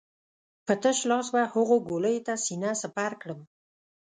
په تش لاس به هغو ګولیو ته سينه سپر کړم.